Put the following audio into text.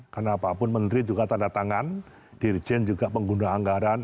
karena apapun menteri juga tanda tangan dirijen juga pengguna anggaran